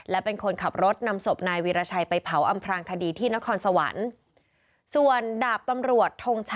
และเป็นคนขับรถนำศพนายวีรชัยไปเผาอำพลางคดีที่นครสวรรค์